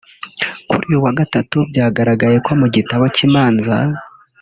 Kuri uyu wa Gatatu byagaragaye ko mu gitabo cy’imanza